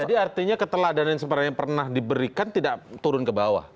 jadi artinya keteladanan yang sebenarnya pernah diberikan tidak turun ke bawah